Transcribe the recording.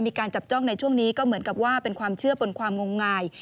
มีการจับจ้องในช่วงนี้ก็เหมือนกับว่าเป็นความเชื่อบนความงมงาย